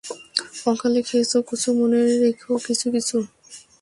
অকালে খেয়েছ কচু, মনে রেখ কিছু কিছু।